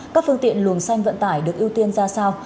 các phương tiện luồng xanh vận tải được ưu tiên ra sao